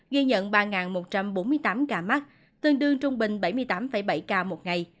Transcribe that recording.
ghi nhận ba một trăm bốn mươi tám ca mắc tương đương trung bình bảy mươi tám bảy ca một ngày